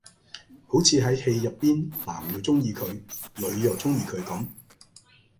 好似喺戲入邊男又鍾意佢女又鍾意佢咁